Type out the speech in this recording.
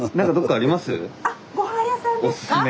あっごはん屋さんですか？